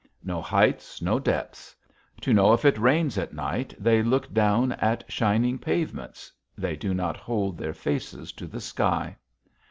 No heights, no depths. To know if it rains at night, they look down at shining pavements; they do not hold their faces to the sky.